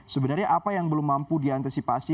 sebenarnya apa yang belum mampu diantisipasi